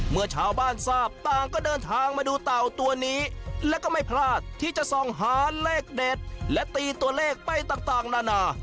เมื่อชาวบ้านทราบต่างก็เดินทางมาดูเต่าตัวนี้แล้วก็ไม่พลาดที่จะส่องหาเลขเด็ดและตีตัวเลขไปต่างนานา